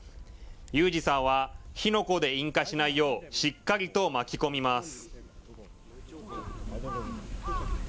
勇二さんは火の粉で引火しないようしっかりと巻き込みます。